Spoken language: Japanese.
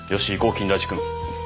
金田一君。